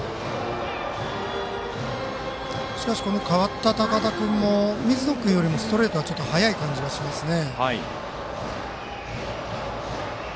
しかし、代わった高田君も水野君よりもストレートはちょっと速い感じがしますね。